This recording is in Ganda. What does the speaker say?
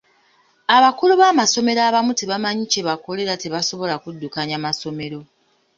Abakulu b'amasomero abamu tebamanyi kye bakola era tebasobola kuddukanya masomero.